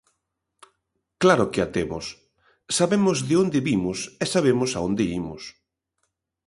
Claro que a temos, sabemos de onde vimos e sabemos a onde imos.